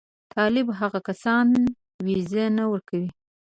طالبان هغو کسانو ته وېزې نه ورکوي.